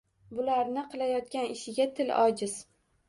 Bularni qilayotgan ishiga til ojiz.